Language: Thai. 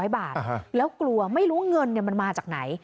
๐บาทแล้วกลัวไม่รู้เงินมันมาจากไหน